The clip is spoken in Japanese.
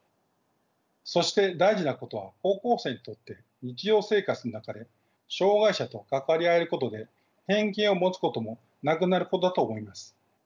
そして大事なことは高校生にとって日常生活の中で障害者と関わり合えることで偏見を持つこともなくなることだと思います。